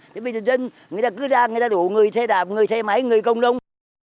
thế bây giờ dân người ta cứ ra người ta đủ người xe đạp người xe máy người cộng đông